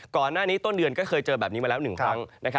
ก่อนหน้านี้ต้นเดือนก็เคยเจอแบบนี้มาแล้ว๑ครั้ง